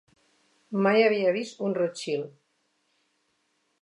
Mai havia vist un Rothschild.